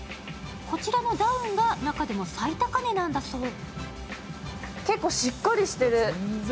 こちらのダウンが中でも最高値なんだそう。